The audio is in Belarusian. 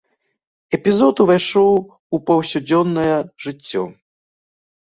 Эпізод увайшоў у паўсядзённае жыццё.